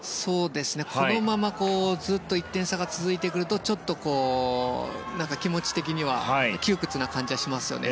このままずっと１点差が続いてくるとちょっと気持ち的には窮屈な感じがしますね。